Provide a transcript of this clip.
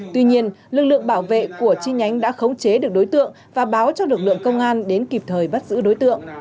tuy nhiên lực lượng bảo vệ của chi nhánh đã khống chế được đối tượng và báo cho lực lượng công an đến kịp thời bắt giữ đối tượng